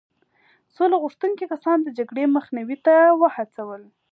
سوله غوښتونکي کسان د جګړې مخنیوي ته وهڅول.